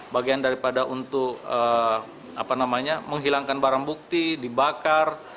bagian daripada untuk menghilangkan barang bukti dibakar